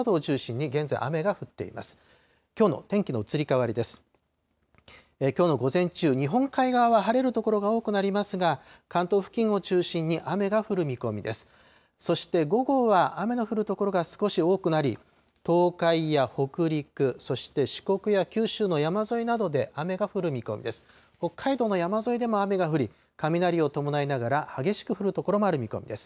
そして午後は雨の降る所が少し多くなり、東海や北陸、そして四国や九州の山沿いなどで雨が降る見込みです。